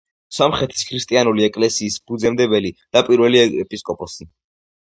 სომხეთის ქრისტიანული ეკლესიის ფუძემდებელი და პირველი ეპისკოპოსი.